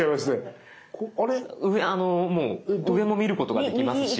上も見ることができますし。